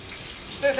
先生！